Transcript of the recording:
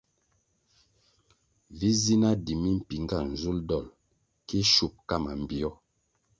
Vi zi na di mimpinga nzulʼ dolʼ ki shup ka mambpio.